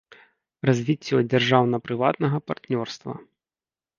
Развiццё дзяржаўна-прыватнага партнёрства.